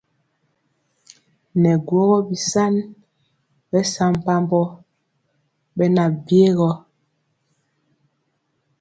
Nɛ guógó bisaŋi bɛsampabɔ beŋan byigɔ.